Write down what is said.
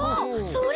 それ！